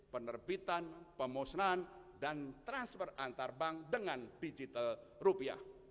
penerbitan pemusnahan dan transfer antar bank dengan digital rupiah